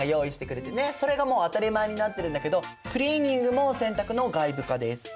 それがもう当たり前になってるんだけどクリーニングも洗濯の外部化です。